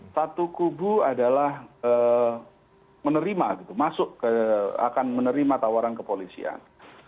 satu kubu adalah menerima gitu masuk akan menerima tawaran kepolisian